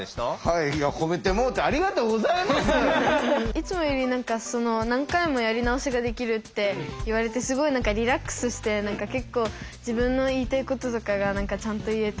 いつもより何回もやり直しができるって言われてすごいリラックスして結構自分の言いたいこととかがちゃんと言えてすごい楽しかったです。